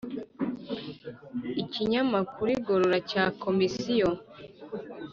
Ikinyamakuru igorora cya Komisiyo